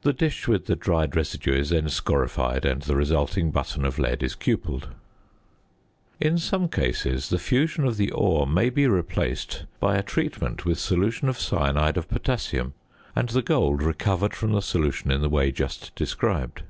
The dish with the dried residue is then scorified and the resulting button of lead is cupelled. [Illustration: FIG. 44c.] In some cases the fusion of the ore may be replaced by a treatment with solution of cyanide of potassium and the gold recovered from the solution in the way just described.